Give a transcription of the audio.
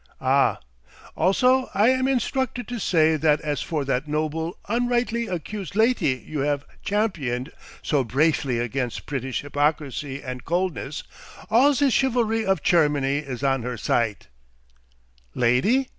"Ah! Also I am instructed to say that as for that noble, unrightly accused laty you haf championed so brafely against Pritish hypocrisy and coldness, all ze chivalry of Chermany is on her site." "Lady?"